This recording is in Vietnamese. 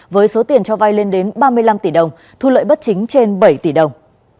với số tiền cho vai lên đến ba mươi năm tỷ đồng thu lợi bất chính trên bảy tỷ đồng